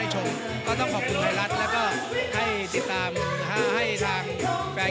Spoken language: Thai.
ให้ทางแฟนกีฬานวยออกแฟนกีฬาวอลลี่บอลได้ติดตามครับ